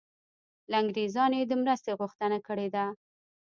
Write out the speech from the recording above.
له انګریزانو یې د مرستې غوښتنه کړې ده.